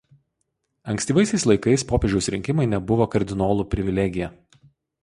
Ankstyvaisiais laikais popiežiaus rinkimai nebuvo kardinolų privilegija.